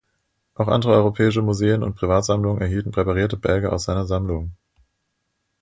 Auch andere europäische Museen und Privatsammlungen erhielten präparierte Bälge aus seiner Sammlung.